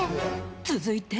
続いて。